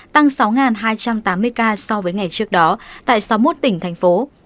tăng sáu hai trăm tám mươi ca so với ngày trước đó tại sáu mươi một tỉnh thành phố